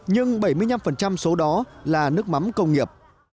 nhưng bảy mươi năm số đó là nước mắm công nghiệp